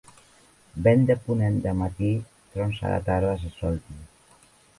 Vent de ponent de matí, trons a la tarda, se sol dir.